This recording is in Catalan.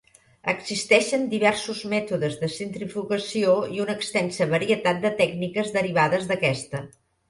Existeixen diversos mètodes de centrifugació i una extensa varietat de tècniques derivades d'aquesta.